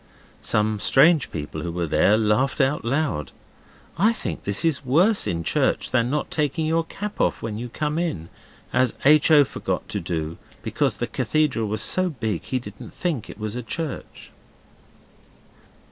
Some strange people who were there laughed out loud. I think this is worse in church than not taking your cap off when you come in, as H. O. forgot to do, because the cathedral was so big he didn't think it was a church.